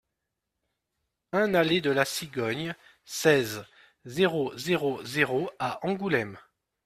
un allée de la Cigogne, seize, zéro zéro zéro à Angoulême